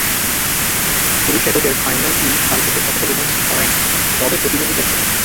পুরুষ এককের ফাইনালটি কাল হয়তো অতটা রোমাঞ্চ ছড়ায়নি, তবে প্রতিদ্বন্দ্বিতা ছিল।